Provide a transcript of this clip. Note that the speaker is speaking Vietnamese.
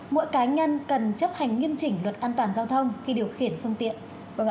mỗi cá nhân cần chấp hành nghiêm chỉnh luật an toàn giao thông khi điều khiển phương tiện